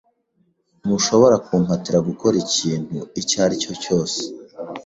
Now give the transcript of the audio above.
Ntushobora kumpatira gukora ikintu icyo ari cyo cyose.